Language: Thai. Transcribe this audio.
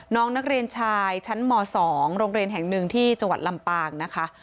น้องนักเรียนชายชั้นม๒โรงเรียนแห่งหนึ่งที่จังหวัดลำปางนะคะ